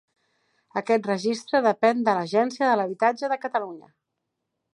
Aquest registre depèn de l'Agència de l'Habitatge de Catalunya.